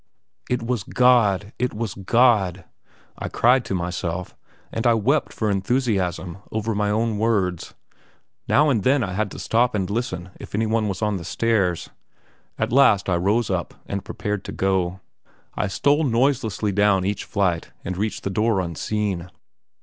"It was God! It was God!" I cried to myself, and I wept for enthusiasm over my own words; now and then I had to stop and listen if any one was on the stairs. At last I rose up and prepared to go. I stole noiselessly down each flight and reached the door unseen.